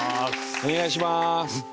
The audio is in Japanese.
お願いします。